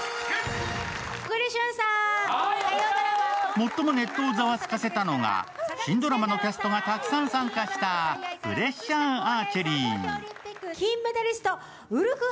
最もネットをざわつかせたのが、新ドラマのキャストがたくさん参加したプレッシャーアーチェリー。